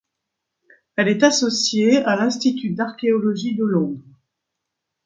Elle est associée à l'Institut d'Archéologie de Londres.